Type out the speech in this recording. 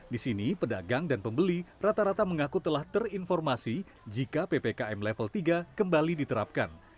di sini pedagang dan pembeli rata rata mengaku telah terinformasi jika ppkm level tiga kembali diterapkan